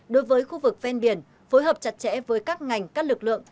ba đối với khu vực ven biển phối hợp chặt chẽ với các ngành các lực lượng